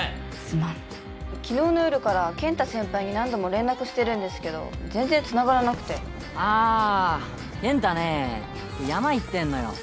すまん昨日の夜から健太先輩に何度も連絡してるんですけど全然つながらなくてあ健太ねえ山行ってんのよ